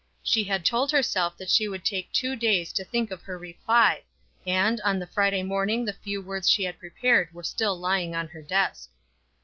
She had told herself that she would take two days to think of her reply, and, on the Friday morning the few words she had prepared were still lying in her desk.